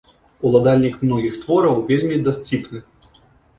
Уладальнік многіх твораў, вельмі дасціпны.